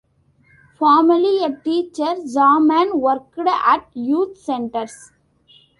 Formerly a teacher, Zaman worked at youth centres.